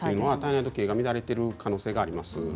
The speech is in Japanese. それは乱れている可能性があります。